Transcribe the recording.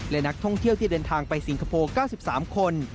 และนักท่องเที่ยวที่เดินทางไปสิงคโปร์๙๓คน